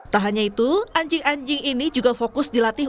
tak hanya itu anjing anjing ini juga fokus dilatih